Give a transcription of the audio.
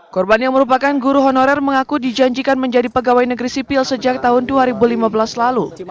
korban yang merupakan guru honorer mengaku dijanjikan menjadi pegawai negeri sipil sejak tahun dua ribu lima belas lalu